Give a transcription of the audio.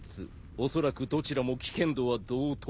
おそらくどちらも危険度は同等。